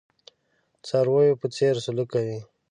څارویو په څېر سلوک کوي.